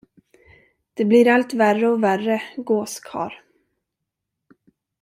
Det blir allt värre och värre, gåskarl.